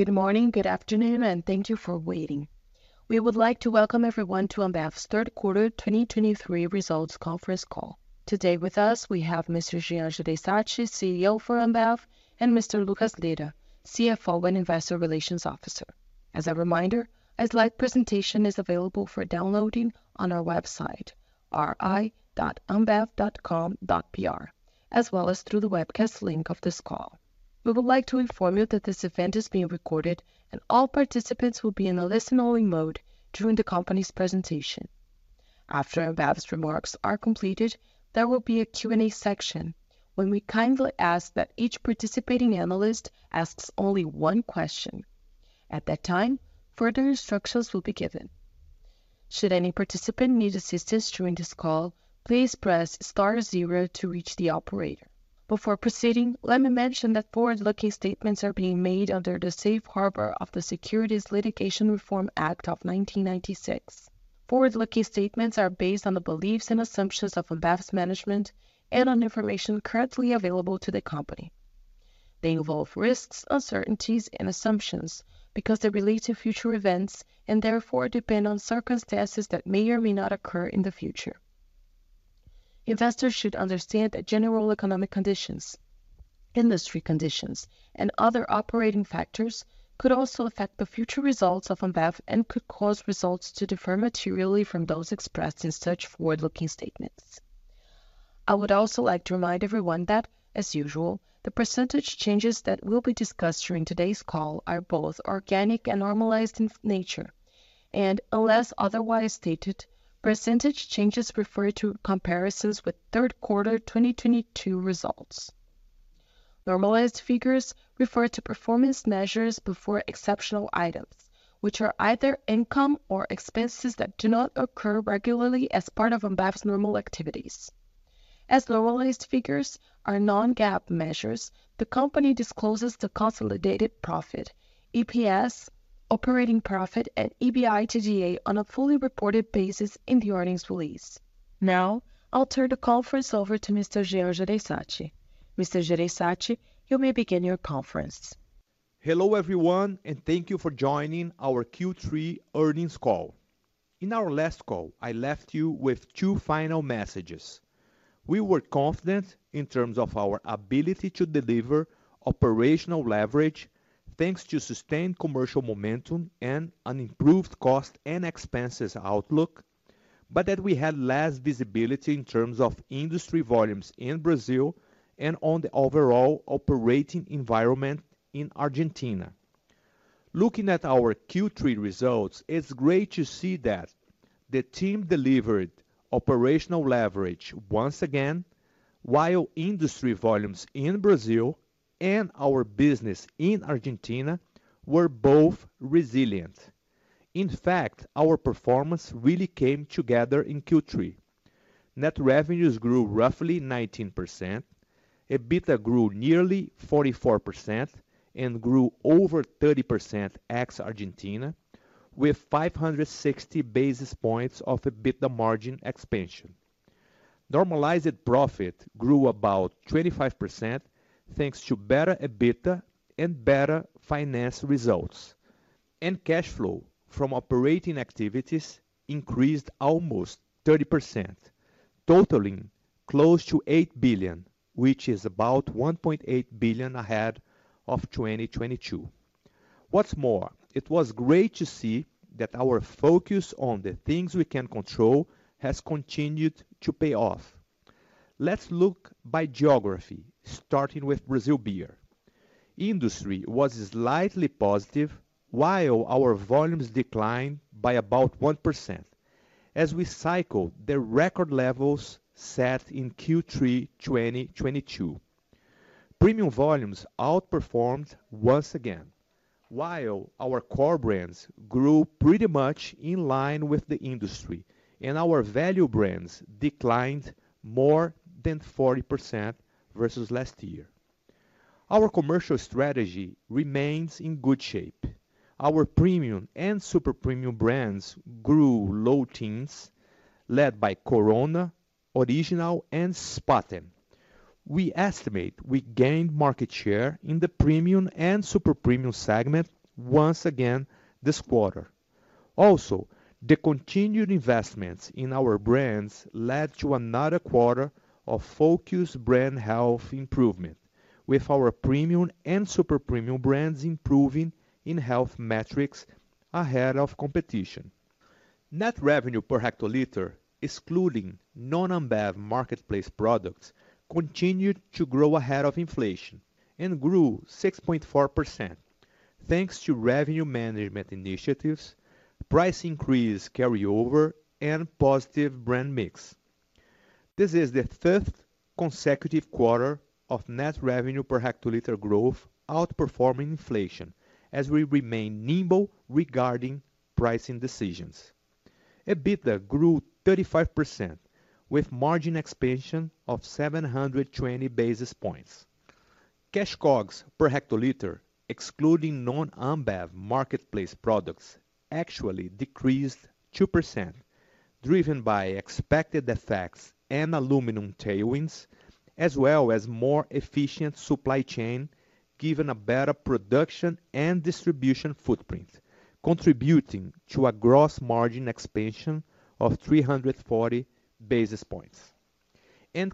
Good morning, good afternoon, and thank you for waiting. We would like to welcome everyone to Ambev's third quarter 2023 results conference call. Today with us, we have Mr. Jean Jereissati, CEO for Ambev, and Mr. Lucas Lira, CFO and Investor Relations Officer. As a reminder, a slide presentation is available for downloading on our website, ri.ambev.com.br, as well as through the webcast link of this call. We would like to inform you that this event is being recorded, and all participants will be in a listen-only mode during the company's presentation. After Ambev's remarks are completed, there will be a Q&A section when we kindly ask that each participating analyst asks only one question. At that time, further instructions will be given. Should any participant need assistance during this call, please press star zero to reach the operator. Before proceeding, let me mention that forward-looking statements are being made under the Safe Harbor of the Securities Litigation Reform Act of 1996. Forward-looking statements are based on the beliefs and assumptions of Ambev's management and on information currently available to the company. They involve risks, uncertainties, and assumptions because they relate to future events and therefore depend on circumstances that may or may not occur in the future. Investors should understand that general economic conditions, industry conditions, and other operating factors could also affect the future results of Ambev and could cause results to differ materially from those expressed in such forward-looking statements. I would also like to remind everyone that, as usual, the percentage changes that will be discussed during today's call are both organic and normalized in nature. Unless otherwise stated, percentage changes refer to comparisons with third quarter 2022 results. Normalized figures refer to performance measures before exceptional items, which are either income or expenses that do not occur regularly as part of Ambev's normal activities. As normalized figures are non-GAAP measures, the company discloses the consolidated profit, EPS, operating profit, and EBITDA on a fully reported basis in the earnings release. Now, I'll turn the conference over to Mr. Jean Jereissati. Mr. Jereissati, you may begin your conference. Hello, everyone, and thank you for joining our Q3 earnings call. In our last call, I left you with two final messages. We were confident in terms of our ability to deliver operational leverage, thanks to sustained commercial momentum and an improved cost and expenses outlook, but that we had less visibility in terms of industry volumes in Brazil and on the overall operating environment in Argentina. Looking at our Q3 results, it's great to see that the team delivered operational leverage once again, while industry volumes in Brazil and our business in Argentina were both resilient. In fact, our performance really came together in Q3. Net revenues grew roughly 19%, EBITDA grew nearly 44% and grew over 30% ex-Argentina, with 560 basis points of EBITDA margin expansion. Normalized profit grew about 25%, thanks to better EBITDA and better finance results. Cash flow from operating activities increased almost 30%, totaling close to 8 billion, which is about 1.8 billion ahead of 2022. What's more, it was great to see that our focus on the things we can control has continued to pay off. Let's look by geography, starting with Brazil Beer. Industry was slightly positive, while our volumes declined by about 1% as we cycled the record levels set in Q3 2022. Premium volumes outperformed once again, while our core brands grew pretty much in line with the industry, and our value brands declined more than 40% versus last year. Our commercial strategy remains in good shape. Our premium and super premium brands grew low teens, led by Corona, Original, and Spaten. We estimate we gained market share in the premium and super premium segment once again this quarter. Also, the continued investments in our brands led to another quarter of focused brand health improvement, with our premium and super premium brands improving in health metrics ahead of competition. Net revenue per hectoliter, excluding non-Ambev marketplace products, continued to grow ahead of inflation and grew 6.4%, thanks to revenue management initiatives, price increase carryover, and positive brand mix. This is the fifth consecutive quarter of net revenue per hectoliter growth, outperforming inflation as we remain nimble regarding pricing decisions. EBITDA grew 35%, with margin expansion of 720 basis points. Cash COGS per hectoliter, excluding non-Ambev marketplace products, actually decreased 2% driven by expected effects and aluminum tailwinds, as well as more efficient supply chain, given a better production and distribution footprint, contributing to a gross margin expansion of 340 basis points.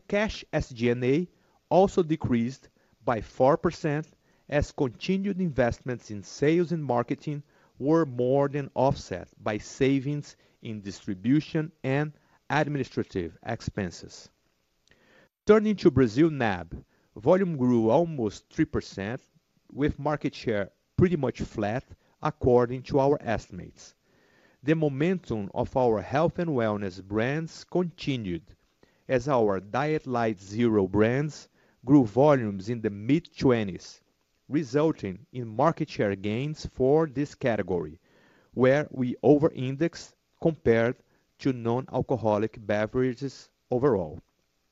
Cash SG&A also decreased by 4% as continued investments in sales and marketing were more than offset by savings in distribution and administrative expenses. Turning to Brazil NAB, volume grew almost 3%, with market share pretty much flat according to our estimates. The momentum of our health and wellness brands continued as our diet/light/zero brands grew volumes in the mid-20s, resulting in market share gains for this category, where we over-indexed compared to non-alcoholic beverages overall.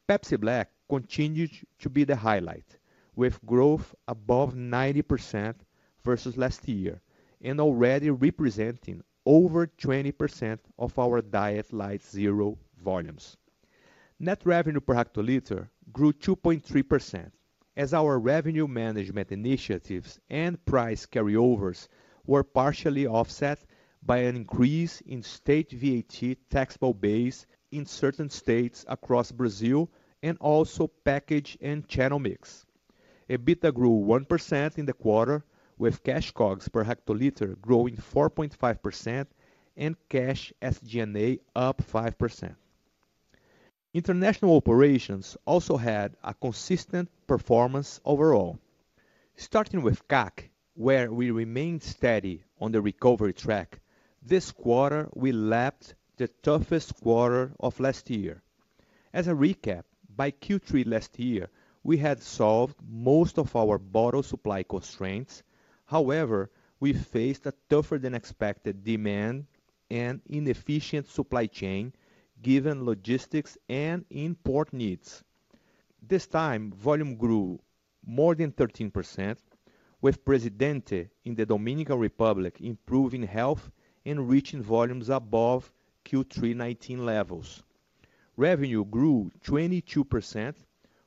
Pepsi Black continued to be the highlight, with growth above 90% versus last year, and already representing over 20% of our diet/light/zero volumes. Net revenue per hectoliter grew 2.3%, as our revenue management initiatives and price carryovers were partially offset by an increase in state VAT taxable base in certain states across Brazil, and also package and channel mix. EBITDA grew 1% in the quarter, with Cash COGS per hectoliter growing 4.5% and Cash SG&A up 5%. International operations also had a consistent performance overall. Starting with CAC, where we remained steady on the recovery track, this quarter, we lapped the toughest quarter of last year. As a recap, by Q3 last year, we had solved most of our bottle supply constraints. However, we faced a tougher than expected demand and inefficient supply chain, given logistics and import needs. This time, volume grew more than 13%, with Presidente in the Dominican Republic improving health and reaching volumes above Q3 2019 levels. Revenue grew 22%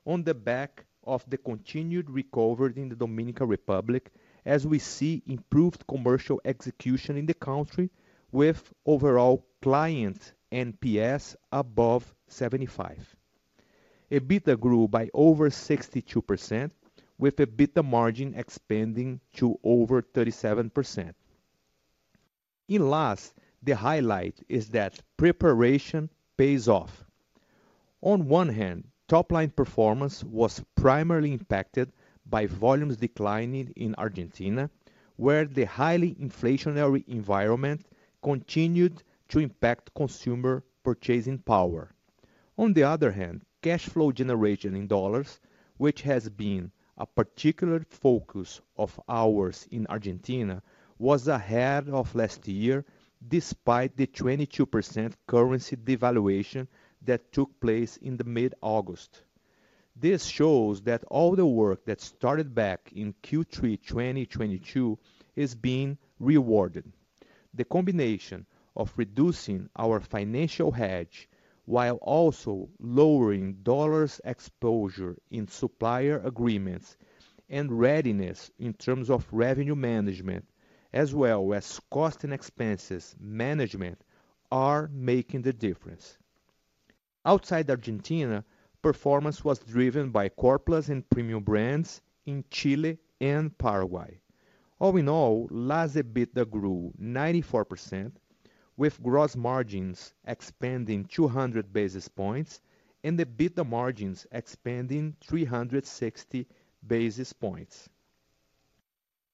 on the back of the continued recovery in the Dominican Republic, as we see improved commercial execution in the country, with overall client NPS above 75. EBITDA grew by over 62%, with EBITDA margin expanding to over 37%. In LAS, the highlight is that preparation pays off. On one hand, top-line performance was primarily impacted by volumes declining in Argentina, where the highly inflationary environment continued to impact consumer purchasing power. On the other hand, cash flow generation in dollars, which has been a particular focus of ours in Argentina, was ahead of last year, despite the 22% currency devaluation that took place in mid-August. This shows that all the work that started back in Q3 2022 is being rewarded. The combination of reducing our financial hedge while also lowering dollars exposure in supplier agreements and readiness in terms of revenue management, as well as cost and expenses management, are making the difference. Outside Argentina, performance was driven by core plus and premium brands in Chile and Paraguay. All in all, LAS EBITDA grew 94%, with gross margins expanding 200 basis points and the EBITDA margins expanding 360 basis points.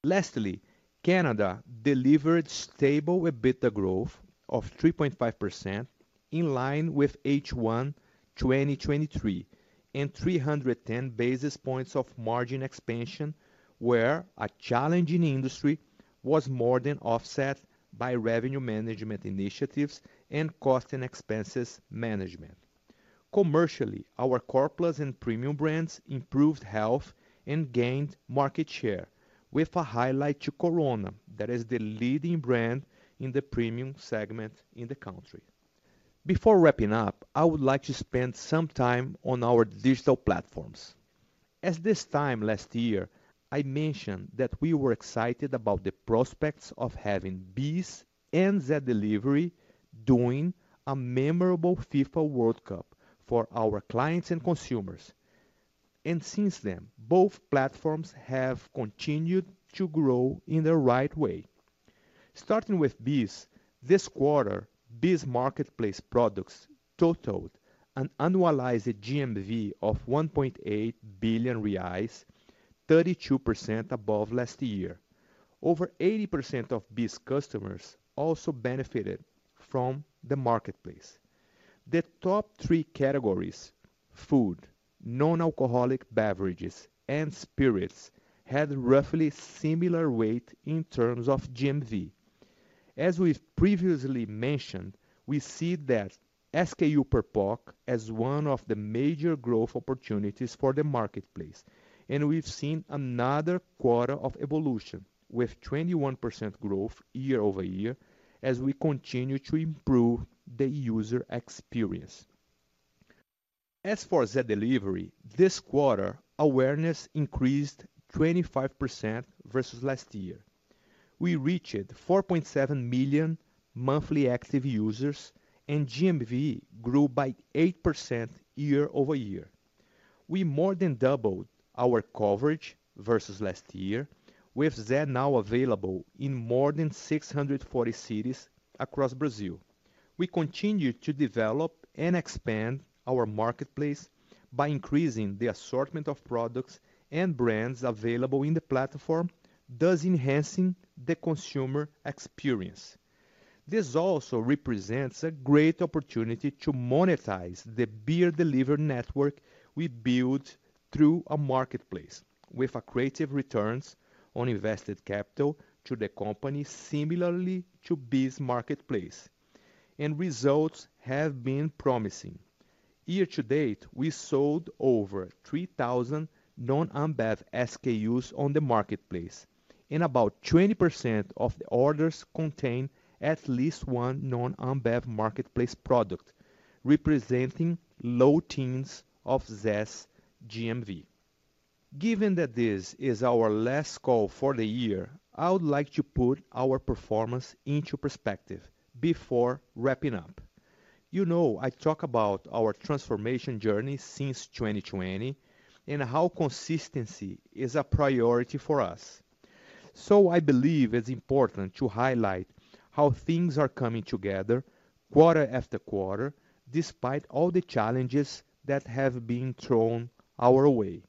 Lastly, Canada delivered stable EBITDA growth of 3.5%, in line with H1 2023, and 310 basis points of margin expansion, where a challenging industry was more than offset by revenue management initiatives and cost and expenses management. Commercially, our core plus and premium brands improved health and gained market share, with a highlight to Corona, that is the leading brand in the premium segment in the country. Before wrapping up, I would like to spend some time on our digital platforms. At this time last year, I mentioned that we were excited about the prospects of having BEES and Zé Delivery doing a memorable FIFA World Cup for our clients and consumers, and since then, both platforms have continued to grow in the right way. Starting with BEES, this quarter, BEES marketplace products totaled an annualized GMV of 1.8 billion reais, 32% above last year. Over 80% of BEES customers also benefited from the marketplace. The top three categories: food, non-alcoholic beverages, and spirits, had roughly similar weight in terms of GMV. As we've previously mentioned, we see that SKU per POC as one of the major growth opportunities for the marketplace, and we've seen another quarter of evolution, with 21% growth year-over-year, as we continue to improve the user experience. As for Zé Delivery, this quarter, awareness increased 25% versus last year. We reached 4.7 million monthly active users, and GMV grew by 8% year-over-year. We more than doubled our coverage versus last year, with Zé now available in more than 640 cities across Brazil. We continue to develop and expand our marketplace by increasing the assortment of products and brands available in the platform, thus enhancing the consumer experience. This also represents a great opportunity to monetize the beer delivery network we build through a marketplace, with accretive returns on invested capital to the company, similarly to BEES Marketplace, and results have been promising. Year to date, we sold over 3,000 non-Ambev SKUs on the marketplace, and about 20% of the orders contain at least one non-Ambev marketplace product, representing low teens of Zé's GMV. Given that this is our last call for the year, I would like to put our performance into perspective before wrapping up. You know, I talk about our transformation journey since 2020, and how consistency is a priority for us. So I believe it's important to highlight how things are coming together quarter after quarter, despite all the challenges that have been thrown our way.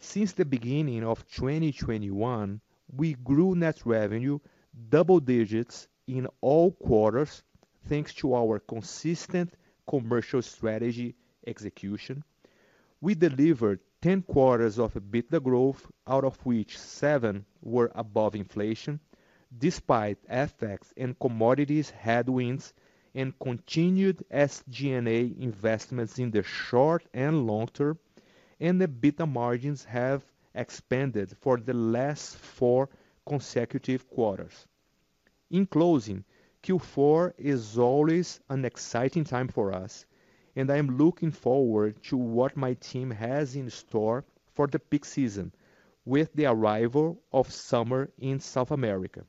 Since the beginning of 2021, we grew net revenue double digits in all quarters, thanks to our consistent commercial strategy execution. We delivered 10 quarters of EBITDA growth, out of which seven were above inflation, despite FX and commodities headwinds and continued SG&A investments in the short and long term, and EBITDA margins have expanded for the last four consecutive quarters. In closing, Q4 is always an exciting time for us, and I am looking forward to what my team has in store for the peak season with the arrival of summer in South America.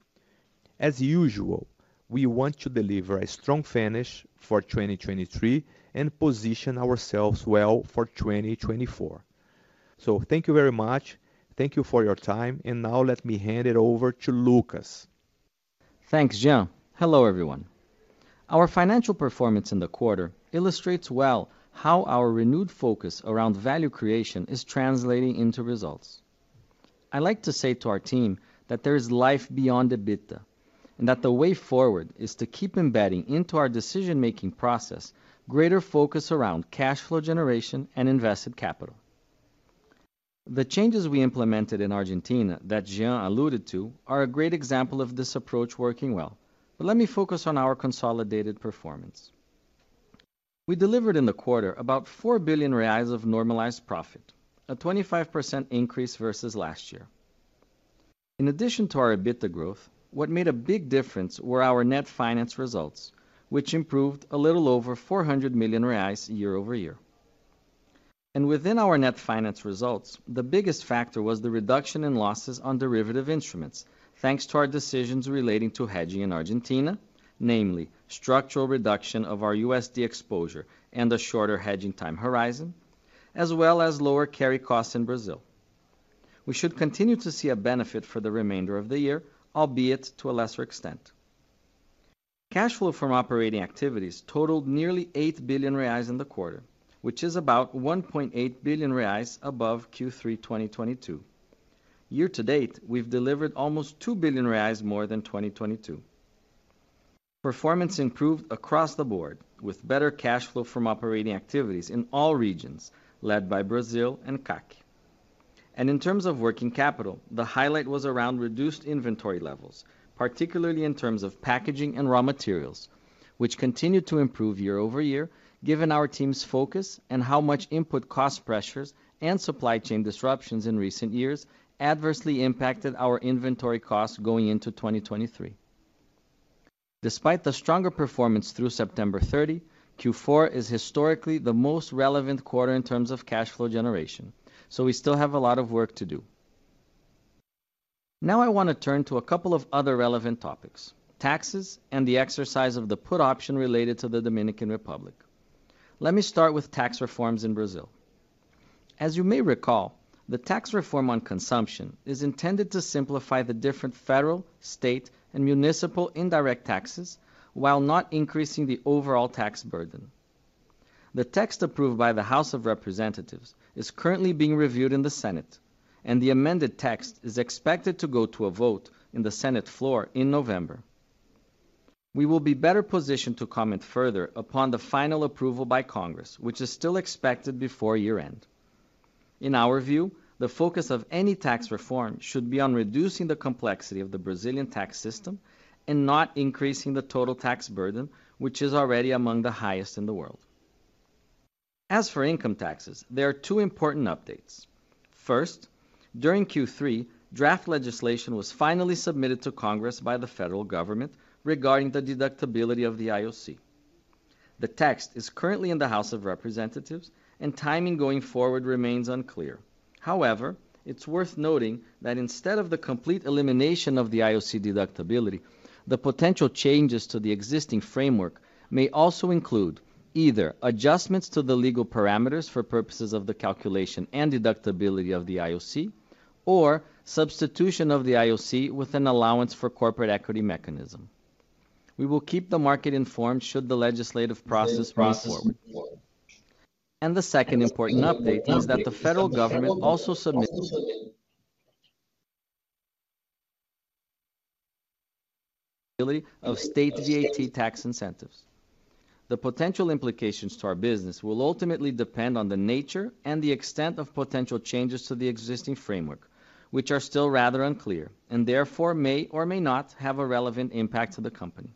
As usual, we want to deliver a strong finish for 2023 and position ourselves well for 2024. Thank you very much. Thank you for your time, and now let me hand it over to Lucas. Thanks, Jean. Hello, everyone. Our financial performance in the quarter illustrates well how our renewed focus around value creation is translating into results. I like to say to our team that there is life beyond EBITDA, and that the way forward is to keep embedding into our decision-making process, greater focus around cash flow generation and invested capital. The changes we implemented in Argentina that Jean alluded to are a great example of this approach working well. But let me focus on our consolidated performance. We delivered in the quarter about 4 billion reais of normalized profit, a 25% increase versus last year. In addition to our EBITDA growth, what made a big difference were our net finance results, which improved a little over 400 million reais year-over-year. Within our net finance results, the biggest factor was the reduction in losses on derivative instruments, thanks to our decisions relating to hedging in Argentina, namely structural reduction of our USD exposure and a shorter hedging time horizon, as well as lower carry costs in Brazil. We should continue to see a benefit for the remainder of the year, albeit to a lesser extent. Cash flow from operating activities totaled nearly 8 billion reais in the quarter, which is about 1.8 billion reais above Q3 2022. Year to date, we've delivered almost 2 billion reais more than 2022. Performance improved across the board, with better cash flow from operating activities in all regions, led by Brazil and CAC. In terms of working capital, the highlight was around reduced inventory levels, particularly in terms of packaging and raw materials, which continued to improve year-over-year, given our team's focus and how much input cost pressures and supply chain disruptions in recent years adversely impacted our inventory costs going into 2023. Despite the stronger performance through September 30, Q4 is historically the most relevant quarter in terms of cash flow generation, so we still have a lot of work to do. Now, I want to turn to a couple of other relevant topics: taxes and the exercise of the put option related to the Dominican Republic. Let me start with tax reforms in Brazil. As you may recall, the tax reform on consumption is intended to simplify the different federal, state, and municipal indirect taxes while not increasing the overall tax burden. The tax approved by the House of Representatives is currently being reviewed in the Senate, and the amended tax is expected to go to a vote in the Senate floor in November. We will be better positioned to comment further upon the final approval by congress, which is still expected before year-end. In our view, the focus of any tax reform should be on reducing the complexity of the Brazilian tax system and not increasing the total tax burden, which is already among the highest in the world. As for income taxes, there are two important updates. First, during Q3, draft legislation was finally submitted to Congress by the federal government regarding the deductibility of the IOC. The text is currently in the House of Representatives, and timing going forward remains unclear. However, it's worth noting that instead of the complete elimination of the IOC deductibility, the potential changes to the existing framework may also include either adjustments to the legal parameters for purposes of the calculation and deductibility of the IOC, or substitution of the IOC with an allowance for corporate equity mechanism. We will keep the market informed should the legislative process move forward. The second important update is that the federal government also submitted of state VAT tax incentives. The potential implications to our business will ultimately depend on the nature and the extent of potential changes to the existing framework, which are still rather unclear, and therefore may or may not have a relevant impact to the company.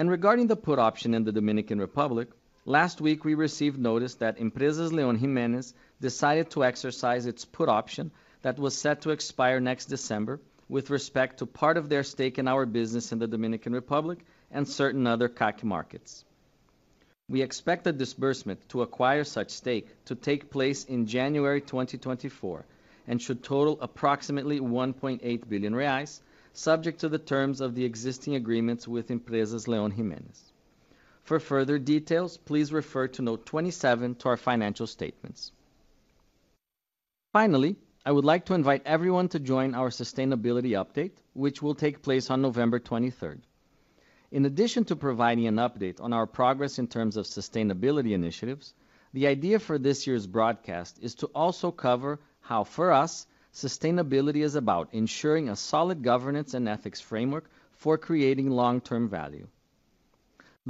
Regarding the put option in the Dominican Republic, last week, we received notice that E. León Jimenes decided to exercise its put option that was set to expire next December with respect to part of their stake in our business in the Dominican Republic and certain other CAC markets. We expect the disbursement to acquire such stake to take place in January 2024 and should total approximately 1.8 billion reais, subject to the terms of the existing agreements with E. León Jimenes. For further details, please refer to note 27 to our financial statements. Finally, I would like to invite everyone to join our sustainability update, which will take place on November 23. In addition to providing an update on our progress in terms of sustainability initiatives, the idea for this year's broadcast is to also cover how, for us, sustainability is about ensuring a solid governance and ethics framework for creating long-term value.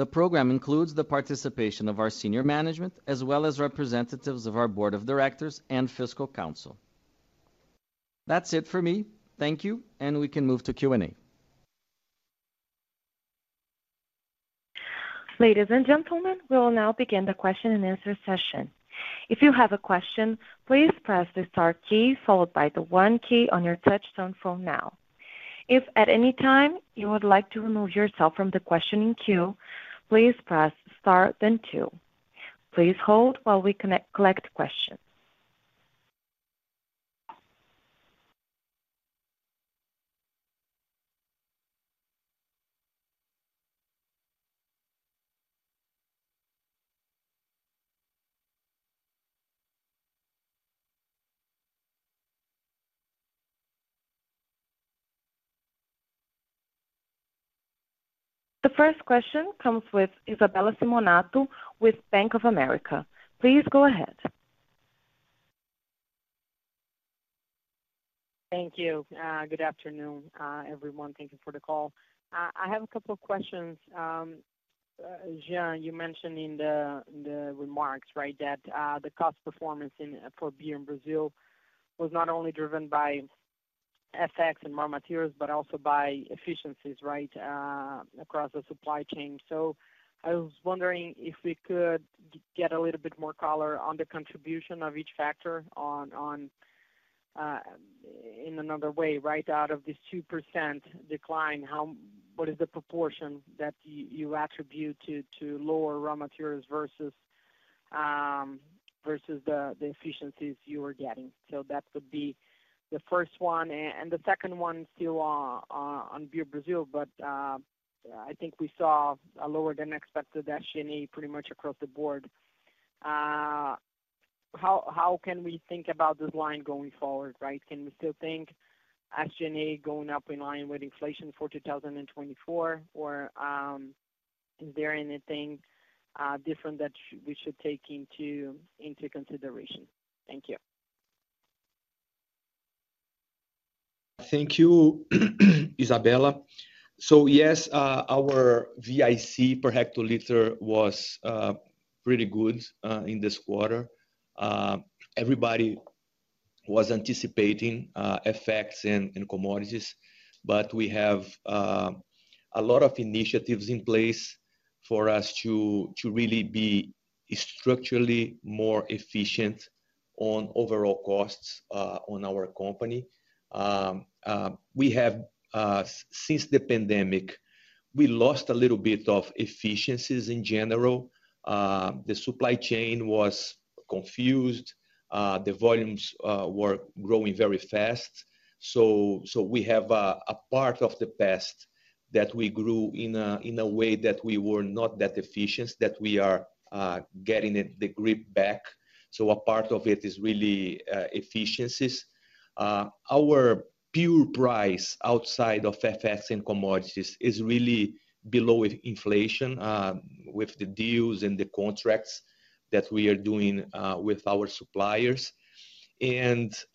The program includes the participation of our senior management, as well as representatives of our board of directors and fiscal council. That's it for me. Thank you, and we can move to Q&A. Ladies and gentlemen, we will now begin the question and answer session. If you have a question, please press the star key followed by the one key on your touchtone phone now. If at any time you would like to remove yourself from the questioning queue, please press star, then two. Please hold while we connect and collect questions. The first question comes with Isabella Simonato with Bank of America. Please go ahead. Thank you. Good afternoon, everyone. Thank you for the call. I have a couple of questions. Jean, you mentioned in the remarks, right, that the cost performance in for beer in Brazil was not only driven by FX and raw materials, but also by efficiencies, right, across the supply chain. So I was wondering if we could get a little bit more color on the contribution of each factor on in another way, right? Out of this 2% decline, what is the proportion that you attribute to lower raw materials versus the efficiencies you are getting? So that could be the first one. And the second one still on beer Brazil, but I think we saw a lower than expected SG&A pretty much across the board. How can we think about this line going forward, right? Can we still think SG&A going up in line with inflation for 2024, or is there anything different that we should take into consideration? Thank you. Thank you, Isabella. So yes, our VIC per hectoliter was pretty good in this quarter. Everybody was anticipating effects in commodities, but we have a lot of initiatives in place for us to really be structurally more efficient on overall costs on our company. We have... since the pandemic, we lost a little bit of efficiencies in general. The supply chain was confused, the volumes were growing very fast. So we have a part of the past that we grew in a way that we were not that efficient, that we are getting it, the grip back. So a part of it is really efficiencies. Our pure price outside of FX and commodities is really below inflation, with the deals and the contracts that we are doing with our suppliers.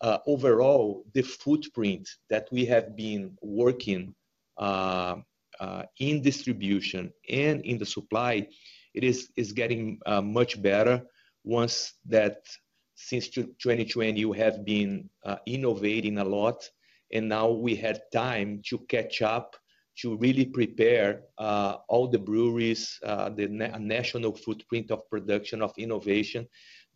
Overall, the footprint that we have been working in distribution and in the supply is getting much better since 2020, we have been innovating a lot, and now we had time to catch up to really prepare all the breweries, the national footprint of production, of innovation,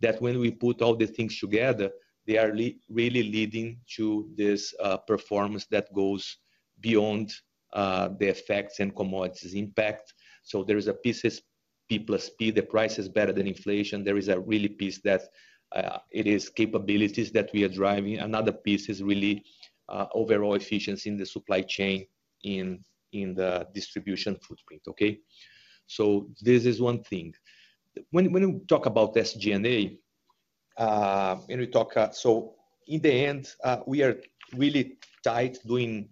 that when we put all the things together, they are really leading to this performance that goes beyond the effects and commodities impact. So there are pieces, P plus P, the price is better than inflation. There is a really piece that it is capabilities that we are driving. Another piece is really overall efficiency in the supply chain, in the distribution footprint, okay? So this is one thing. When we talk about SG&A, and we talk—so in the end, we are really tight doing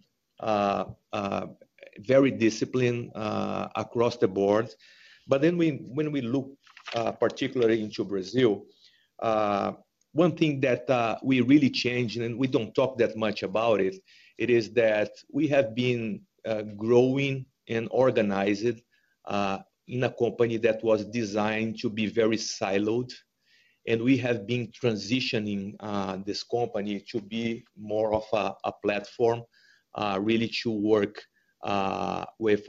very disciplined across the board. But then we, when we look particularly into Brazil, one thing that we really changed, and we don't talk that much about it, it is that we have been growing and organized in a company that was designed to be very siloed. And we have been transitioning this company to be more of a platform really to work with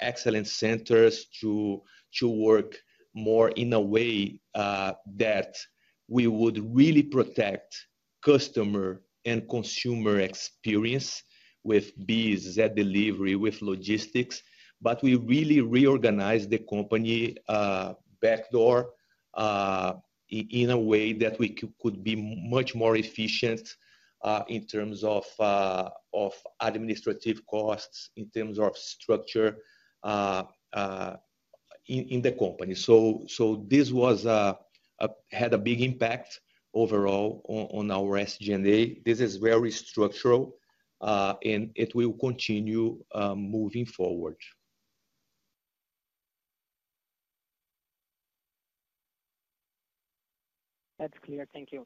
excellence centers, to work more in a way that we would really protect customer and consumer experience with BEES, Zé Delivery, with logistics. But we really reorganized the company back office in a way that we could be much more efficient in terms of administrative costs, in terms of structure in the company. So this had a big impact overall on our SG&A. This is very structural, and it will continue moving forward. That's clear. Thank you.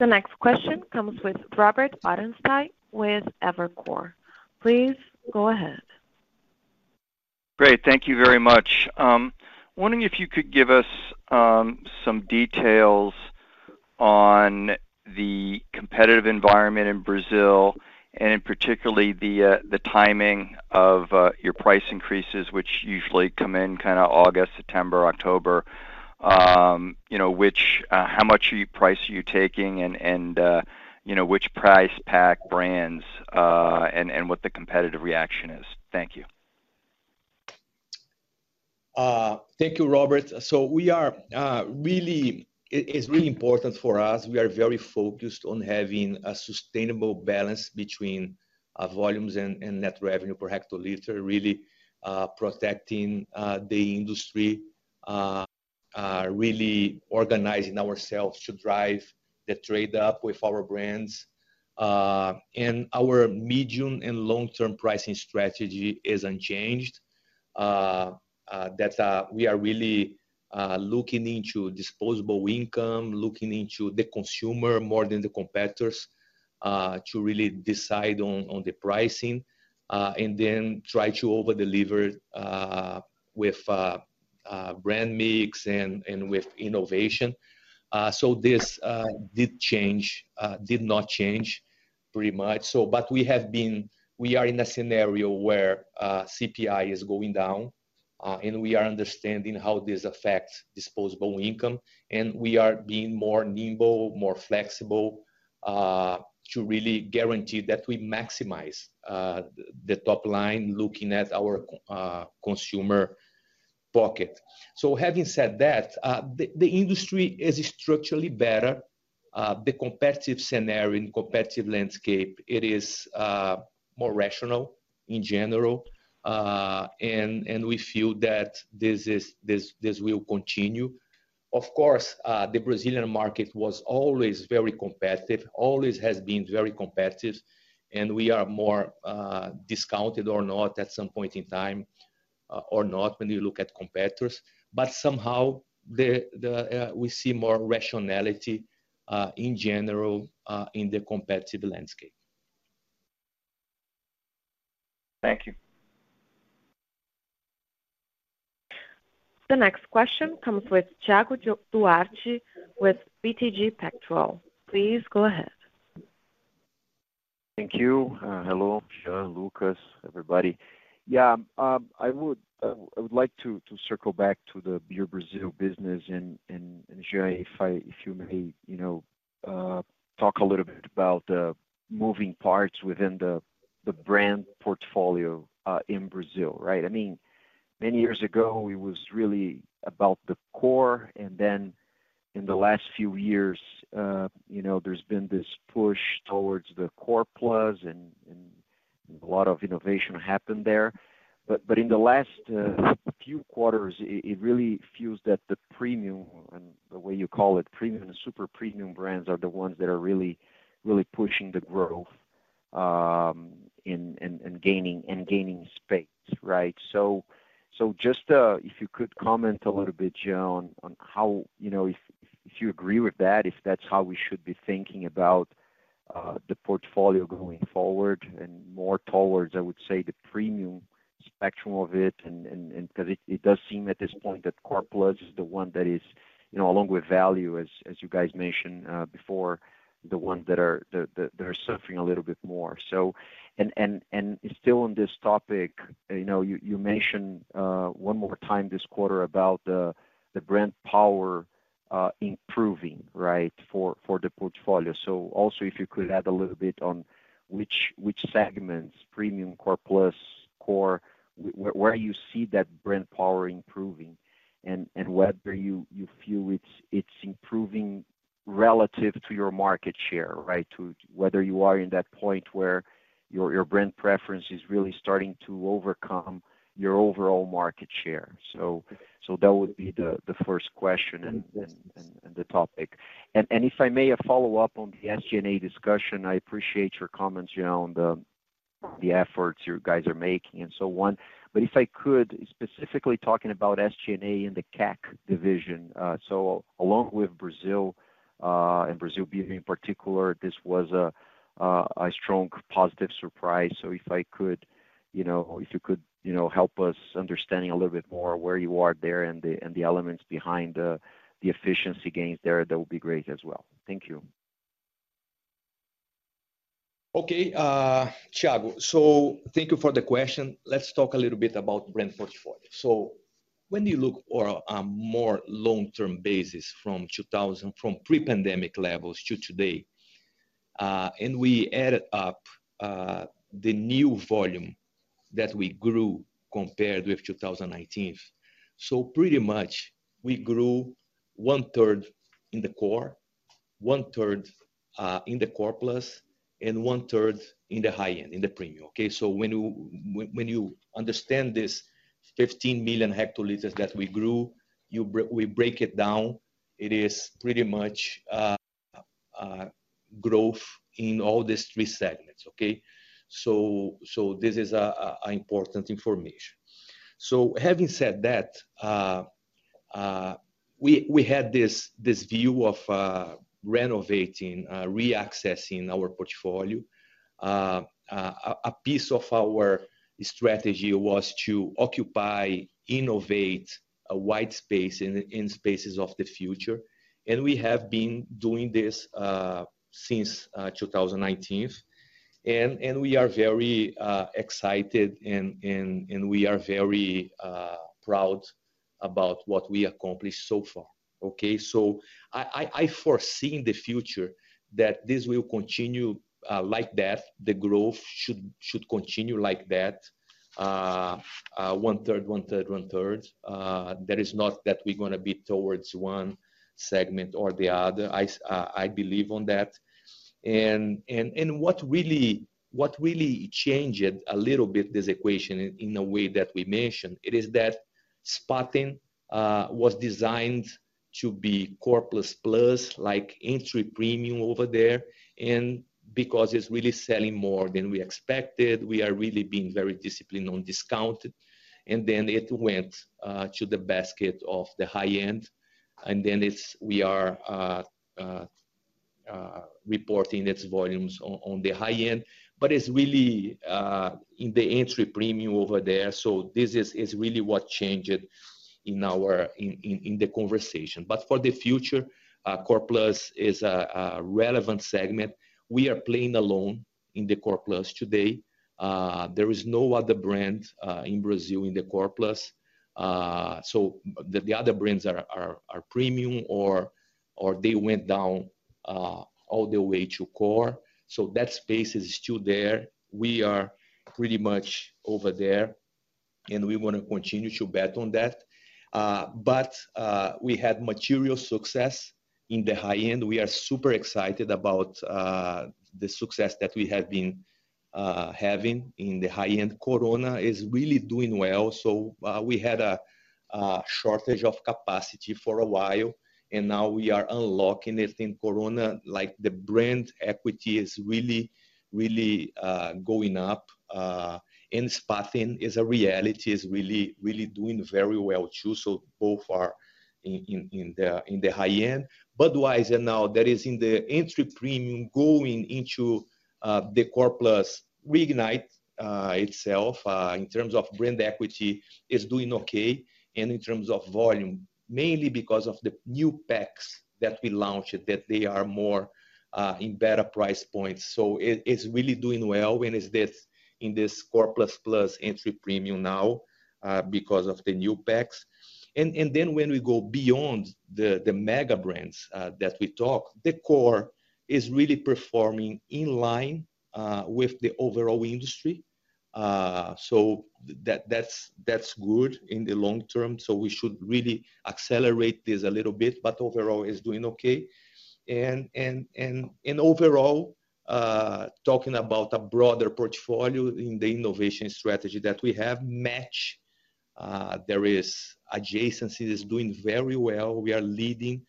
The next question comes with Robert Ottenstein with Evercore. Please go ahead. Great, thank you very much. Wondering if you could give us some details on the competitive environment in Brazil, and particularly the timing of your price increases, which usually come in kind of August, September, October. You know, how much price are you taking and you know, which price pack brands, and what the competitive reaction is? Thank you. Thank you, Robert. So we are really... it's really important for us. We are very focused on having a sustainable balance between volumes and net revenue per hectoliter, really protecting the industry, really organizing ourselves to drive the trade up with our brands. And our medium and long-term pricing strategy is unchanged. That we are really looking into disposable income, looking into the consumer more than the competitors, to really decide on the pricing, and then try to over-deliver with brand mix and with innovation. So this did not change pretty much. But we are in a scenario where CPI is going down, and we are understanding how this affects disposable income, and we are being more nimble, more flexible, to really guarantee that we maximize the top line, looking at our consumer pocket. So having said that, the industry is structurally better. The competitive scenario and competitive landscape, it is more rational in general, and we feel that this will continue. Of course, the Brazilian market was always very competitive, always has been very competitive, and we are more discounted or not at some point in time, or not, when you look at competitors. But somehow, we see more rationality in general in the competitive landscape. Thank you. The next question comes with Thiago Duarte with BTG Pactual. Please go ahead. Thank you. Hello, Jean, Lucas, everybody. Yeah, I would like to circle back to the Beer Brazil business and, Jean, if you may, you know, talk a little bit about the moving parts within the brand portfolio in Brazil, right? I mean, many years ago, it was really about the core, and then in the last few years, you know, there's been this push towards the core plus, and a lot of innovation happened there. But in the last few quarters, it really feels that the premium and the way you call it, premium and super premium brands, are the ones that are really pushing the growth, and gaining space, right? So just if you could comment a little bit, Jean, on how... You know, if you agree with that, if that's how we should be thinking about the portfolio going forward and more towards, I would say, the premium spectrum of it and because it does seem at this point that core plus is the one that is, you know, along with value, as you guys mentioned before, the ones that are suffering a little bit more. So still on this topic, you know, you mentioned one more time this quarter about the brand power improving, right? For the portfolio. So also, if you could add a little bit on which segments, premium core plus, core, where you see that brand power improving and whether you feel it's improving relative to your market share, right? To whether you are at that point where your brand preference is really starting to overcome your overall market share. So that would be the first question and the topic. And if I may follow up on the SG&A discussion, I appreciate your comments around the efforts you guys are making and so on. But if I could, specifically talking about SG&A in the CAC division. So along with Brazil, and Brazil beer in particular, this was a strong positive surprise. So if I could, you know, if you could, you know, help us understanding a little bit more where you are there and the elements behind the efficiency gains there, that would be great as well. Thank you. Okay, Thiago, so thank you for the question. Let's talk a little bit about brand portfolio. So when you look over a more long-term basis from pre-pandemic levels to today, and we added up the new volume that we grew compared with 2018. So pretty much, we grew one third in the core, one third in the core plus, and one third in the high end, in the premium, okay? So when you understand this 15 million hectoliters that we grew, we break it down, it is pretty much growth in all these three segments, okay? So this is important information. So having said that, we had this view of renovating, reassessing our portfolio. A piece of our strategy was to occupy, innovate a wide space in spaces of the future, and we have been doing this since 2018. And we are very excited and we are very proud about what we accomplished so far, okay? So I foresee in the future that this will continue like that. The growth should continue like that. One third, one third, one third. That is not that we're gonna be towards one segment or the other. I believe on that. And what really changed it a little bit, this equation, in a way that we mentioned, it is that Spaten was designed to be core plus, like entry premium over there. And because it's really selling more than we expected, we are really being very disciplined on discount. And then it went to the basket of the high end, and then it's we are reporting its volumes on the high end. But it's really in the entry premium over there. So this is really what changed in our conversation. But for the future, core plus is a relevant segment. We are playing alone in the core plus today. There is no other brand in Brazil, in the core plus. So the other brands are premium or they went down all the way to core. So that space is still there. We are pretty much over there, and we want to continue to bet on that. But, we had material success in the high end. We are super excited about the success that we have been having in the high end. Corona is really doing well, so we had a shortage of capacity for a while, and now we are unlocking it in Corona. Like, the brand equity is really, really going up, and Spaten is a reality, is really, really doing very well, too. So both are in the high end. Budweiser now, that is in the entry premium, going into the core plus. High end itself, in terms of brand equity, is doing okay and in terms of volume, mainly because of the new packs that we launched, that they are more in better price points. So it's really doing well, and it's this in this core plus plus entry premium now, because of the new packs. And then when we go beyond the mega brands that we talk, the core is really performing in line with the overall industry. So that's good in the long term, so we should really accelerate this a little bit, but overall, it's doing okay. And overall, talking about a broader portfolio in the innovation strategy that we have, Mike's there is adjacency, is doing very well. We are leading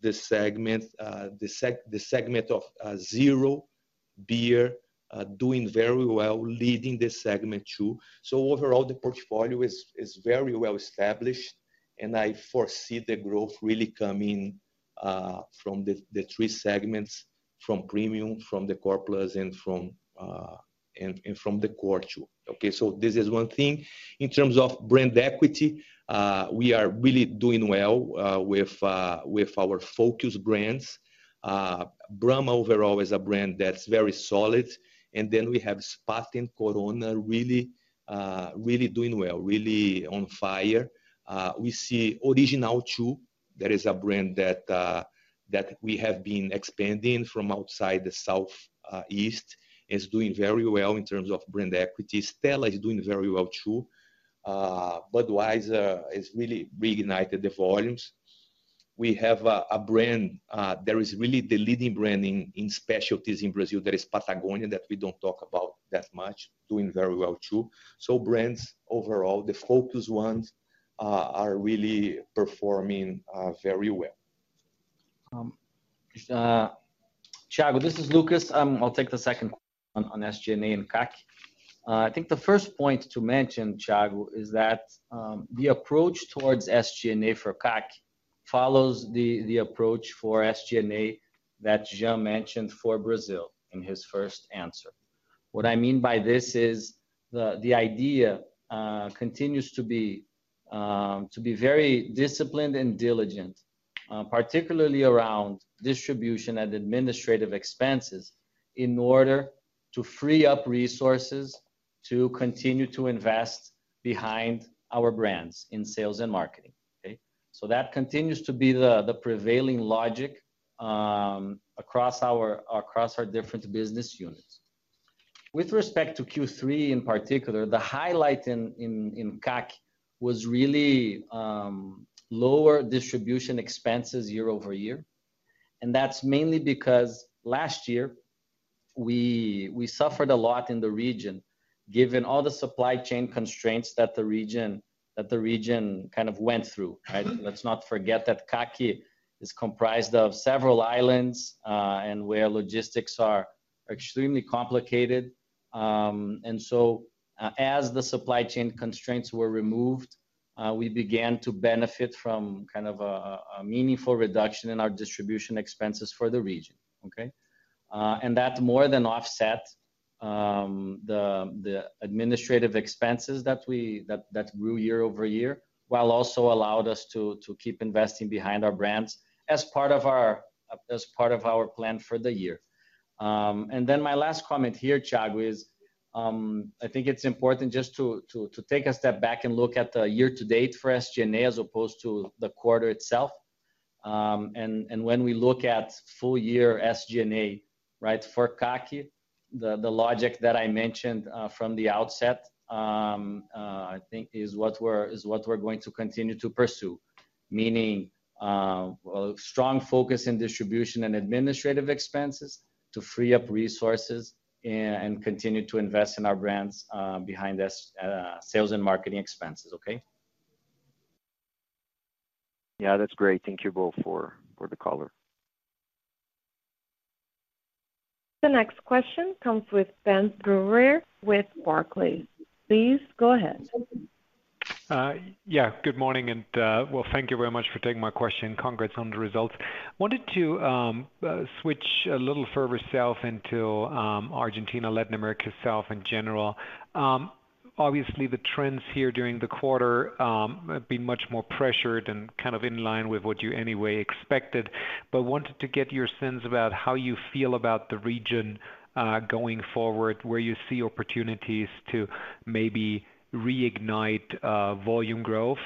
the segment, the segment of zero beer, doing very well, leading the segment too. So overall, the portfolio is very well established. I foresee the growth really coming from the three segments: from premium, from the core plus, and from the core, too. Okay, so this is one thing. In terms of brand equity, we are really doing well with our focus brands. Brahma overall is a brand that's very solid, and then we have Spaten, Corona really doing well, really on fire. We see Original, too. That is a brand that we have been expanding from outside the South East, is doing very well in terms of brand equity. Stella is doing very well, too. Budweiser has really reignited the volumes. We have a brand that is really the leading brand in specialties in Brazil, that is Patagonia, that we don't talk about that much, doing very well, too. Brands overall, the focus ones, are really performing very well. Thiago, this is Lucas. I'll take the second one on SG&A and CAC. I think the first point to mention, Thiago, is that the approach towards SG&A for CAC follows the approach for SG&A that Jean mentioned for Brazil in his first answer. What I mean by this is the idea continues to be very disciplined and diligent, particularly around distribution and administrative expenses, in order to free up resources to continue to invest behind our brands in sales and marketing. Okay? So that continues to be the prevailing logic across our different business units. With respect to Q3, in particular, the highlight in CAC was really lower distribution expenses year over year. That's mainly because last year we suffered a lot in the region, given all the supply chain constraints that the region kind of went through, right? Let's not forget that CAC is comprised of several islands, and where logistics are extremely complicated. And so, as the supply chain constraints were removed, we began to benefit from kind of a meaningful reduction in our distribution expenses for the region. Okay? And that more than offset the administrative expenses that we that grew year over year, while also allowed us to keep investing behind our brands as part of our plan for the year. Then my last comment here, Tiago, is, I think it's important just to take a step back and look at the year to date for SG&A, as opposed to the quarter itself. And when we look at full year SG&A, right, for CAC, the logic that I mentioned from the outset, I think is what we're going to continue to pursue. Meaning, a strong focus in distribution and administrative expenses to free up resources and continue to invest in our brands behind us, sales and marketing expenses. Okay? Yeah, that's great. Thank you both for the color. The next question comes with Ben Theurer with Barclays. Please go ahead. Yeah, good morning, and, well, thank you very much for taking my question, and congrats on the results. Wanted to switch a little further south into Argentina, Latin America South in general. Obviously, the trends here during the quarter have been much more pressured and kind of in line with what you anyway expected, but wanted to get your sense about how you feel about the region going forward, where you see opportunities to maybe reignite volume growth,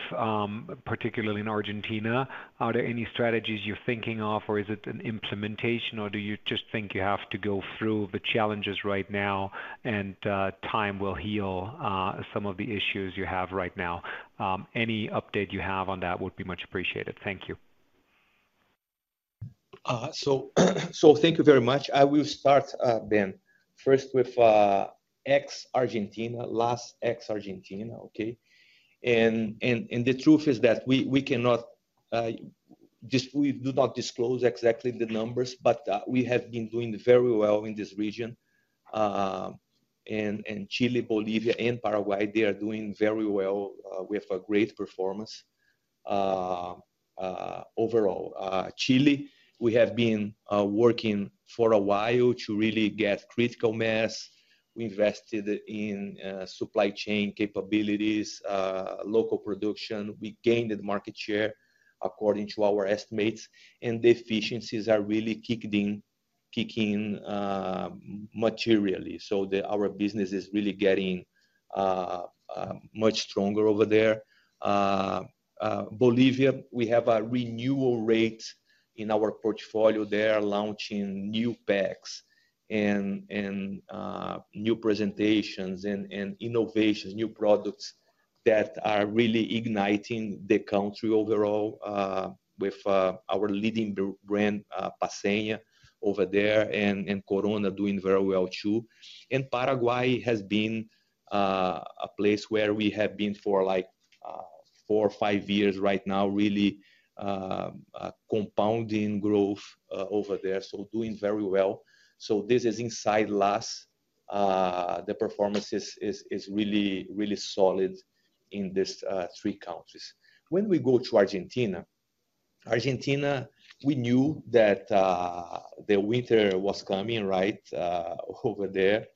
particularly in Argentina. Are there any strategies you're thinking of, or is it an implementation, or do you just think you have to go through the challenges right now and time will heal some of the issues you have right now? Any update you have on that would be much appreciated. Thank you. Thank you very much. I will start, Ben, first with ex-Argentina, LAS ex-Argentina, okay? The truth is that we cannot disclose exactly the numbers, but we have been doing very well in this region. Chile, Bolivia, and Paraguay are doing very well with a great performance. Overall, Chile, we have been working for a while to really get critical mass. We invested in supply chain capabilities, local production. We gained the market share according to our estimates, and the efficiencies are really kicking in, kicking materially. So our business is really getting much stronger over there. Bolivia, we have a renewal rate in our portfolio there, launching new packs and new presentations and innovations, new products that are really igniting the country overall, with our leading brand, Paceña over there, and Corona doing very well, too. Paraguay has been a place where we have been for, like, four or five years right now, really compounding growth over there, so doing very well. So this is inside LAS, the performance is really solid in these three countries. When we go to Argentina, we knew that the winter was coming, right, over there.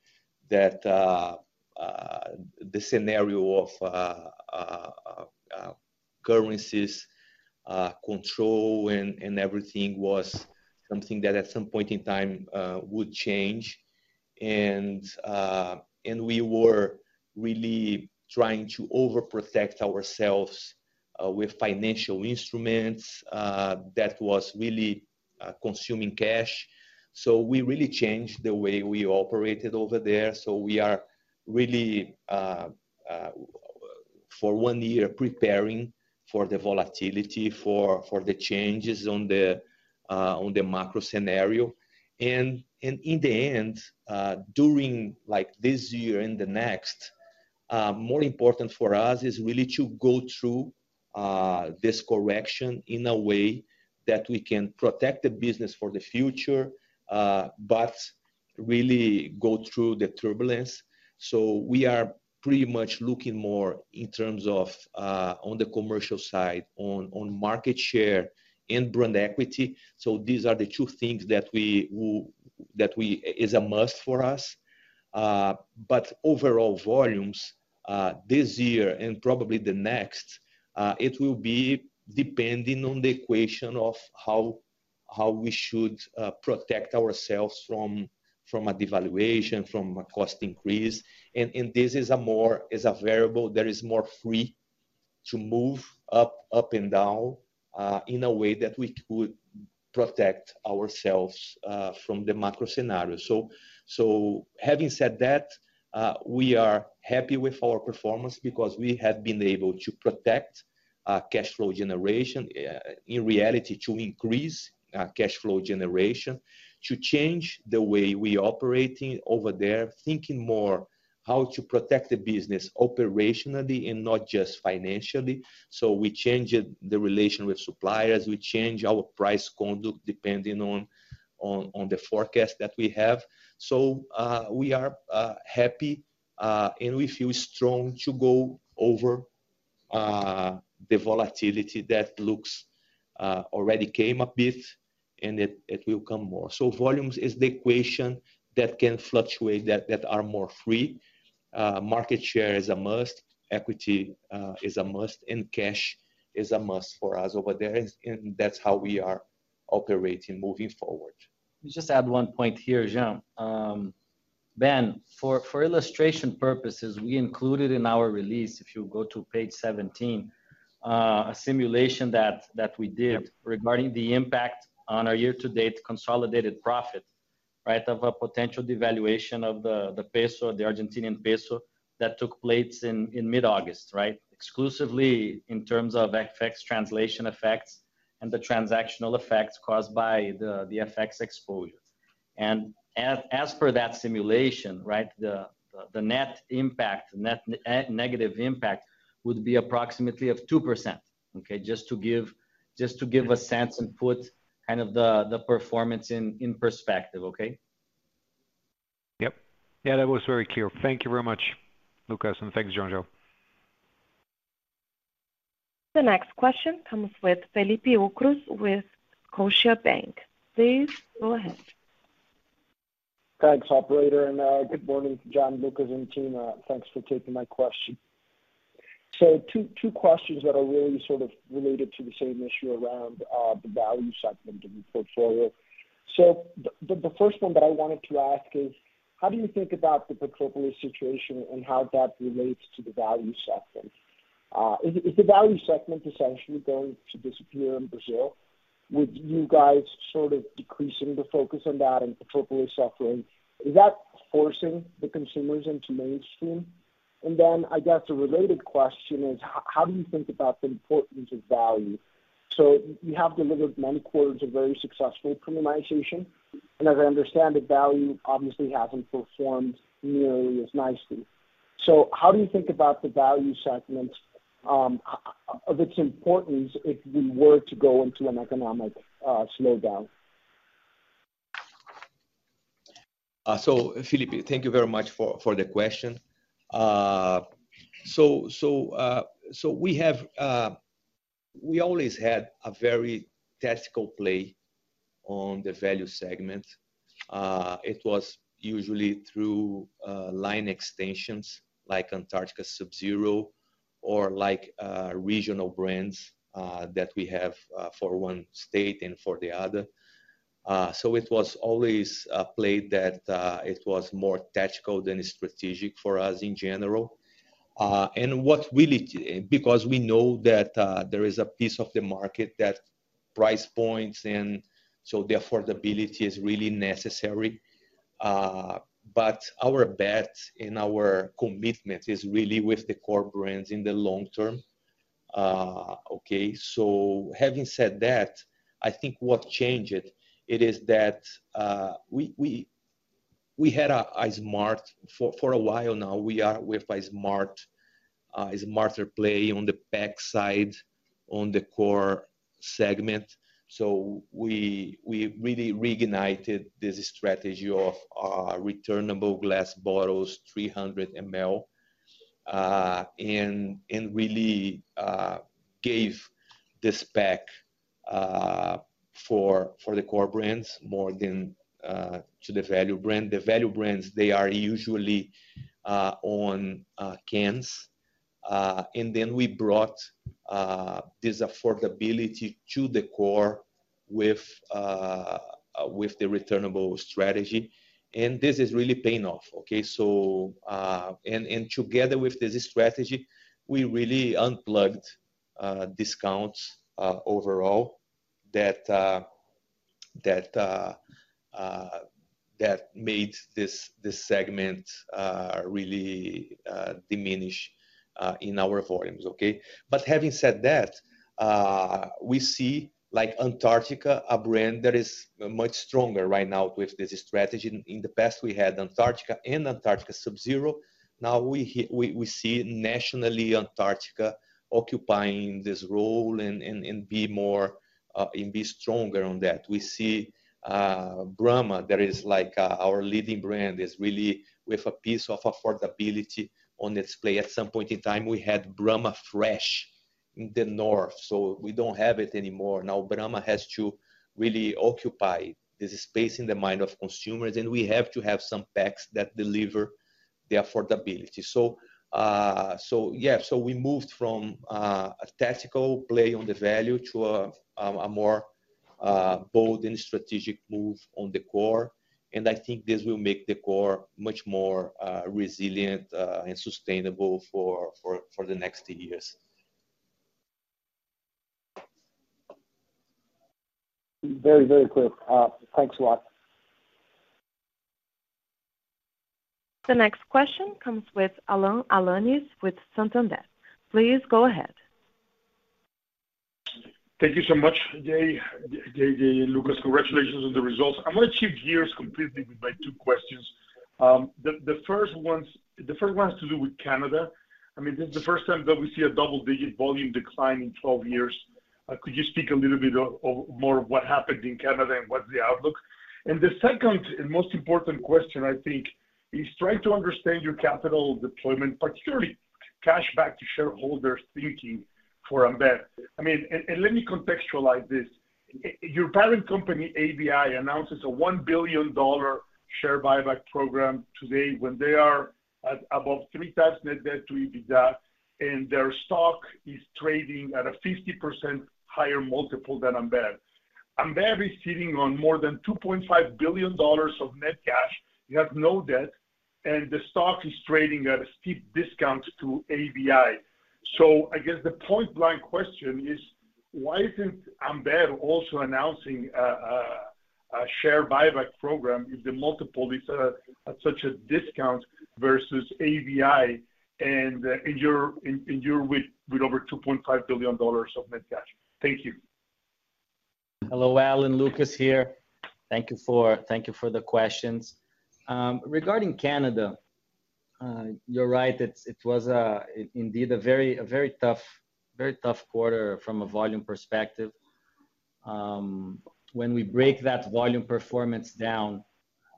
That the scenario of currencies control and everything was something that at some point in time would change. And we were really trying to overprotect ourselves with financial instruments that was really consuming cash. So we really changed the way we operated over there. So we are really, for one year, preparing for the volatility, for the changes on the macro scenario. And in the end, during like this year and the next, more important for us is really to go through this correction in a way that we can protect the business for the future, but really go through the turbulence. So we are pretty much looking more in terms of on the commercial side, on market share and brand equity. So these are the two things that we...we...that we... is a must for us. But overall volumes this year and probably the next, it will be depending on the equation of how we should protect ourselves from a devaluation, from a cost increase. And this is a more variable that is more free to move up and down, in a way that we could protect ourselves from the macro scenario. So having said that, we are happy with our performance because we have been able to protect cash flow generation, in reality, to increase cash flow generation. To change the way we operating over there, thinking more how to protect the business operationally and not just financially. So we changed the relation with suppliers. We change our price conduct depending on the forecast that we have. So, we are happy, and we feel strong to go over the volatility that looks already came a bit, and it will come more. So volumes is the equation that can fluctuate, that are more free. Market share is a must, equity is a must, and cash is a must for us over there, and that's how we are operating moving forward. Let me just add one point here, Jean. Ben, for illustration purposes, we included in our release, if you go to page 17, a simulation that we did- Yep. regarding the impact on our year-to-date consolidated profit, right? Of a potential devaluation of the peso, the Argentine peso, that took place in mid-August, right? Exclusively in terms of FX translation effects and the transactional effects caused by the FX exposure. And as per that simulation, right, the net impact, net negative impact would be approximately 2%. Okay, just to give a sense and put kind of the performance in perspective. Okay? Yep. Yeah, that was very clear. Thank you very much, Lucas, and thanks, Jean. The next question comes with Felipe Ucros with Scotiabank. Please go ahead. Thanks, operator, and good morning, Jean, Lucas, and team. Thanks for taking my question. So two questions that are really sort of related to the same issue around the value segment of the portfolio. So the first one that I wanted to ask is, how do you think about the Petrópolis situation and how that relates to the value segment? Is the value segment essentially going to disappear in Brazil with you guys sort of decreasing the focus on that and Petrópolis suffering? Is that forcing the consumers into mainstream? And then I guess a related question is: How do you think about the importance of value? So you have delivered nine quarters of very successful premiumization, and as I understand it, value obviously hasn't performed nearly as nicely. How do you think about the value segment of its importance if we were to go into an economic slowdown? So, Felipe, thank you very much for the question. We always had a very tactical play on the value segment. It was usually through line extensions like Antarctica Sub Zero or like regional brands that we have for one state and for the other. So it was always a play that it was more tactical than strategic for us in general. Because we know that there is a piece of the market that price points, and so the affordability is really necessary. But our bet and our commitment is really with the core brands in the long term. Okay, so having said that, I think what changed it is that we had a smart... For a while now, we are with a smart, is a smarter play on the pack side, on the core segment. So we really reignited this strategy of returnable glass bottles, 300 mL, and really gave this pack for the core brands more than to the value brand. The value brands, they are usually on cans. And then we brought this affordability to the core with the returnable strategy. And this is really paying off, okay? So and together with this strategy, we really unplugged discounts overall that made this segment really diminish in our volumes, okay? But having said that, we see, like Antarctica, a brand that is much stronger right now with this strategy. In the past, we had Antarctica and Antarctica Sub Zero. Now we see nationally, Antarctica occupying this role and be more and be stronger on that. We see Brahma, that is like our leading brand, is really with a piece of affordability on display. At some point in time, we had Brahma Fresh in the North, so we don't have it anymore. Now, Brahma has to really occupy this space in the mind of consumers, and we have to have some packs that deliver the affordability. So yeah, so we moved from a tactical play on the value to a more bold and strategic move on the core, and I think this will make the core much more resilient and sustainable for the next years. Very, very clear. Thanks a lot. The next question comes with Alan Alanis, with Santander. Please go ahead. Thank you so much, J. JJ, Lucas, congratulations on the results. I'm gonna shift gears completely with my two questions. The first one has to do with Canada. I mean, this is the first time that we see a double-digit volume decline in 12 years. Could you speak a little bit more of what happened in Canada and what's the outlook? And the second and most important question, I think, is trying to understand your capital deployment, particularly cash back to shareholders thinking for Ambev. I mean, and let me contextualize this. Your parent company, ABI, announces a $1 billion share buyback program today, when they are at above 3,000 net debt to EBITDA, and their stock is trading at a 50% higher multiple than Ambev. Ambev is sitting on more than $2.5 billion of net cash, you have no debt, and the stock is trading at a steep discount to ABI. So I guess the point-blank question is: Why isn't Ambev also announcing a share buyback program if the multiple is at such a discount versus ABI and you're with over $2.5 billion of net cash? Thank you. Hello, Alan. Lucas here. Thank you for the questions. Regarding Canada, you're right, it was indeed a very tough quarter from a volume perspective. When we break that volume performance down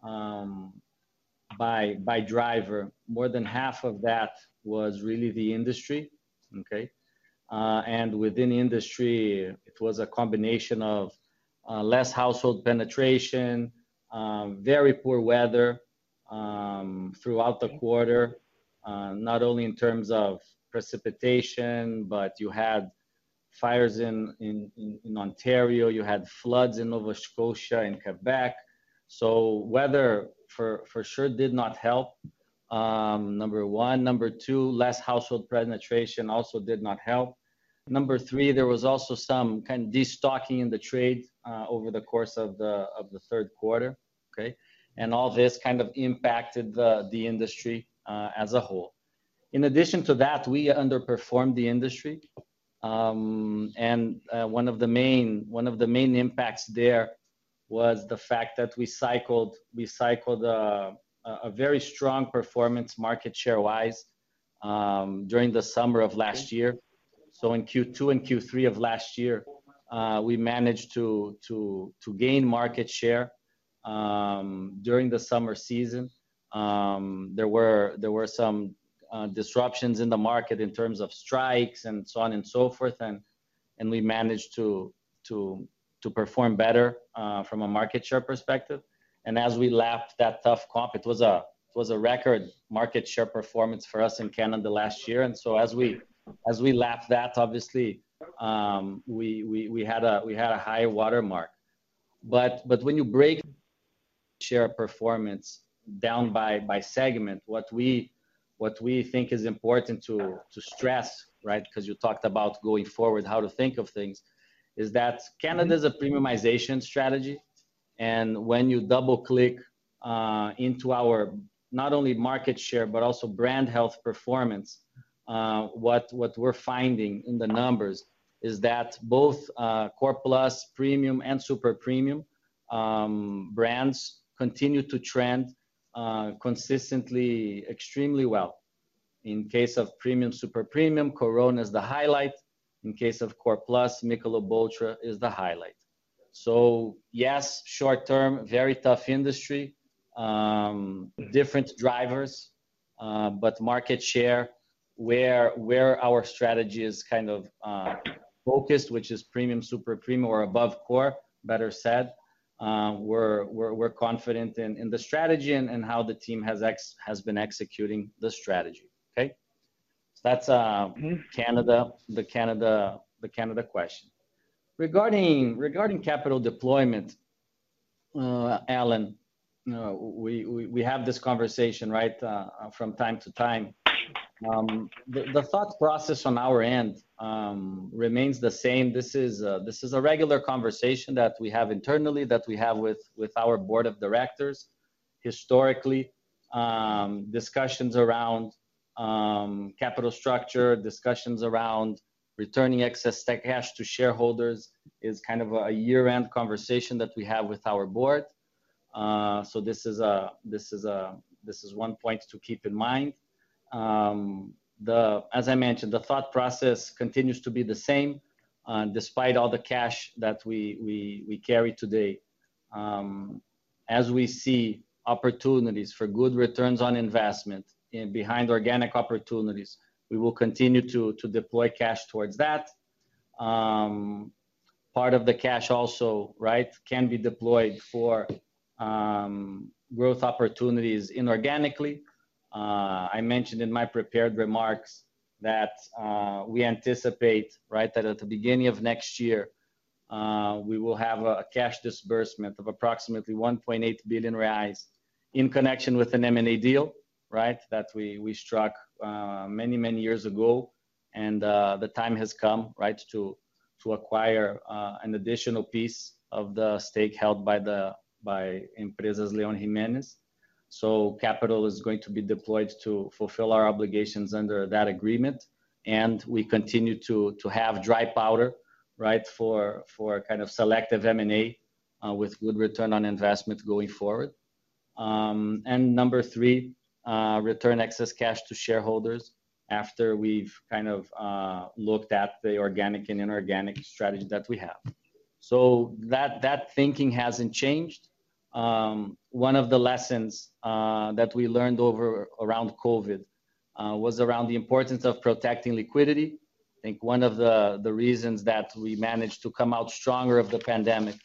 by driver, more than half of that was really the industry, okay? And within industry, it was a combination of less household penetration, very poor weather throughout the quarter. Not only in terms of precipitation, but you had fires in Ontario, you had floods in Nova Scotia and Quebec. So weather, for sure did not help, number one. Number two, less household penetration also did not help. Number three, there was also some kind of destocking in the trade over the course of the third quarter, okay? All this kind of impacted the industry as a whole. In addition to that, we underperformed the industry, and one of the main impacts there was the fact that we cycled a very strong performance market share-wise during the summer of last year. In Q2 and Q3 of last year, we managed to gain market share. During the summer season, there were some disruptions in the market in terms of strikes and so on and so forth, and we managed to perform better from a market share perspective. As we lapped that tough comp, it was a record market share performance for us in Canada last year. And so as we lapped that, obviously, we had a high water mark. But when you break share performance down by segment, what we think is important to stress, right? Because you talked about going forward, how to think of things, is that Canada is a premiumization strategy. And when you double-click into our not only market share, but also brand health performance, what we're finding in the numbers is that both core plus, premium and super premium brands continue to trend consistently, extremely well. In case of premium, super premium, Corona is the highlight. In case of core plus, Michelob ULTRA is the highlight. So yes, short term, very tough industry. Different drivers, but market share, where our strategy is kind of focused, which is premium, super premium or above core, better said, we're confident in the strategy and how the team has been executing the strategy. Okay? That's the Canada question. Regarding capital deployment, Alan, we have this conversation, right, from time to time. The thought process on our end remains the same. This is a regular conversation that we have internally, that we have with our board of directors. Historically, discussions around capital structure, discussions around returning excess cash to shareholders is kind of a year-end conversation that we have with our board. So this is one point to keep in mind. As I mentioned, the thought process continues to be the same, despite all the cash that we carry today. As we see opportunities for good returns on investment and behind organic opportunities, we will continue to deploy cash towards that. Part of the cash also, right, can be deployed for growth opportunities inorganically. I mentioned in my prepared remarks that we anticipate, right, that at the beginning of next year, we will have a cash disbursement of approximately 1.8 billion reais in connection with an M&A deal, right, that we struck many, many years ago. The time has come, right, to acquire an additional piece of the stake held by E. León Jimenes. Capital is going to be deployed to fulfill our obligations under that agreement, and we continue to have dry powder, right, for kind of selective M&A with good return on investment going forward. And number three, return excess cash to shareholders after we've kind of looked at the organic and inorganic strategy that we have. That thinking hasn't changed. One of the lessons that we learned over around COVID was around the importance of protecting liquidity. I think one of the reasons that we managed to come out stronger of the pandemic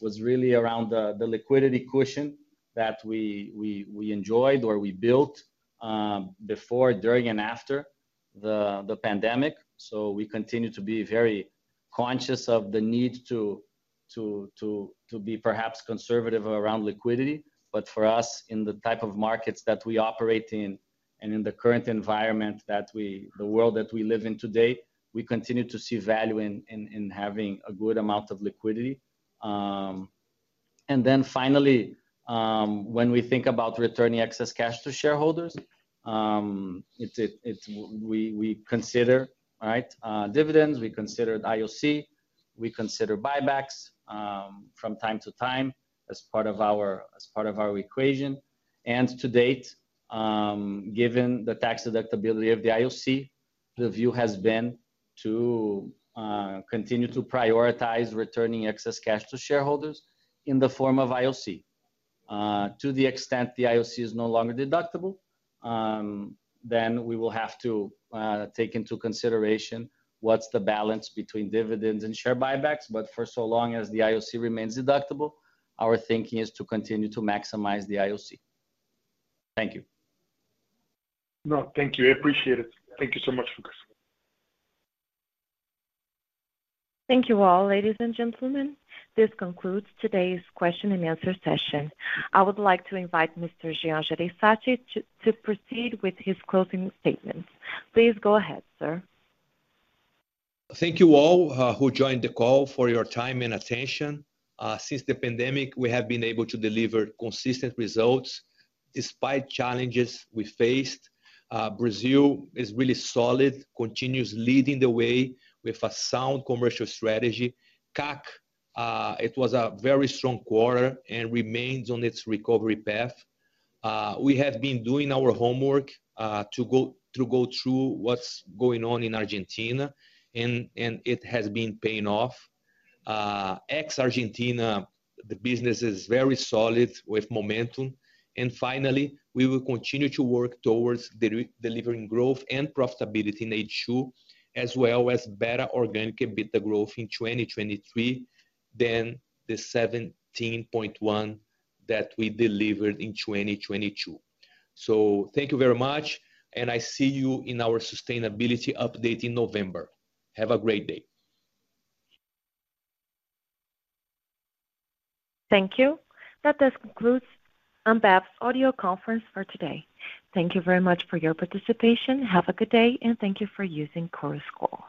was really around the liquidity cushion that we enjoyed or we built before, during, and after the pandemic. So we continue to be very conscious of the need to be perhaps conservative around liquidity. But for us, in the type of markets that we operate in and in the current environment that we—the world that we live in today, we continue to see value in having a good amount of liquidity. And then finally, when we think about returning excess cash to shareholders, it's—we consider, right, dividends, we consider IOC, we consider buybacks from time to time as part of our equation. To date, given the tax deductibility of the IOC, the view has been to continue to prioritize returning excess cash to shareholders in the form of IOC. To the extent the IOC is no longer deductible, then we will have to take into consideration what's the balance between dividends and share buybacks. For so long as the IOC remains deductible, our thinking is to continue to maximize the IOC. Thank you. No, thank you. I appreciate it. Thank you so much, Lucas. Thank you, all, ladies and gentlemen. This concludes today's question and answer session. I would like to invite Mr. Jean Jereissati to proceed with his closing statements. Please go ahead, sir. Thank you all who joined the call, for your time and attention. Since the pandemic, we have been able to deliver consistent results despite challenges we faced. Brazil is really solid, continues leading the way with a sound commercial strategy. CAC, it was a very strong quarter and remains on its recovery path. We have been doing our homework to go through what's going on in Argentina, and it has been paying off. Ex-Argentina, the business is very solid with momentum. And finally, we will continue to work towards delivering growth and profitability in H2, as well as better organic EBITDA growth in 2023 than the 17.1 that we delivered in 2022. So thank you very much, and I see you in our sustainability update in November. Have a great day. Thank you. That concludes Ambev's audio conference for today. Thank you very much for your participation. Have a good day, and thank you for using Chorus Call.